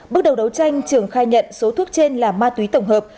bước đầu đấu tranh trường khai nhận số thuốc trên là ma túy tổng hợp